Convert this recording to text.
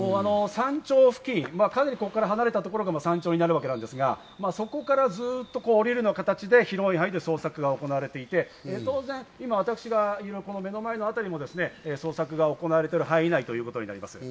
山頂付近、かなりここから離れた所が山頂になるわけですが、そこからずっと下りるような形で広い範囲で捜索が行われていて、当然私が今いる目の前のあたりも捜索が行われている範囲内ということになります。